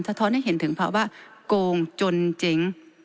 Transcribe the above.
ท้อนให้เห็นถึงภาวะโกงจนเจ๊ง